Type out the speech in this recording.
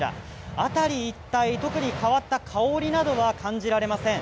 辺り一帯特に変わった香りなどは感じられません。